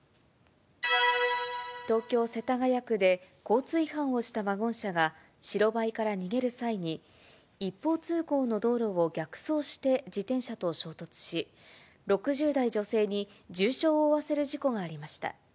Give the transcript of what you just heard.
東京・世田谷区で交通違反をしたワゴン車が、白バイから逃げる際に、一方通行の道路を逆走して自転車と衝突し、６０代女性に重傷を負わせる事故がありました。